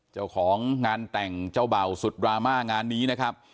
เจ้าของงานแต่งเจ้าเบ่าสุดดราม่างานนี้นะครับ